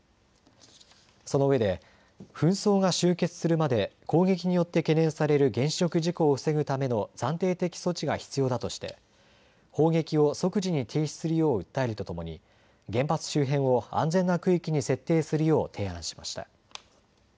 そのうえで紛争が終結するまで攻撃によって懸念される原子力事故を防ぐための暫定的措置が必要だとして砲撃を即時に停止するよう訴えるとともに原発周辺を安全な区域に設定するよう提案しました。